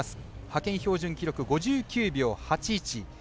派遣標準記録５９秒８１。